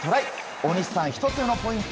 大西さん、１つ目のポイント